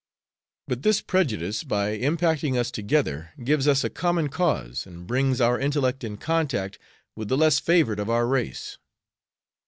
But this prejudice, by impacting us together, gives us a common cause and brings our intellect in contact with the less favored of our race."